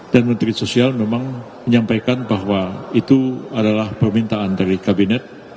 dan menteri sosial memang menyampaikan bahwa itu adalah permintaan dari kabinet